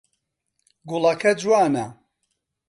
گوڵەکە جوانە.